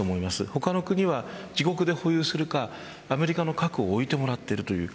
他の国は自国で保有するかアメリカの核を置いてもらっている。